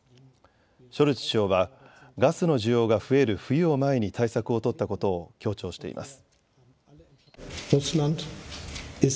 ショルツ首相はガスの需要が増える冬を前に対策を取ったことを強調しています。